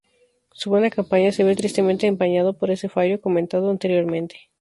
Su buena campaña se ve tristemente empañada por ese fallo comentado anteriormente.